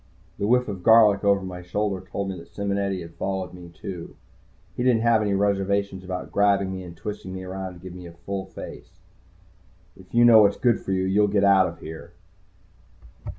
The whiff of garlic over my shoulder told me that Simonetti had followed me, too. He didn't have any reservations about grabbing me and twisting me around and giving me a real face full. "If you know what's good for you, you'll get out of here."